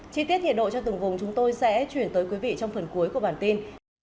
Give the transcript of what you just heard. chi tiết nhiệt độ cho từng vùng chúng tôi sẽ chuyển tới quý vị trong phần cuối của bản tin